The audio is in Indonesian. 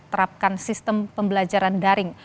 terapkan sistem pembelajaran daring